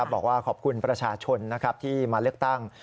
บอกว่าขอบคุณประชาชนที่มาเลือกตั้ง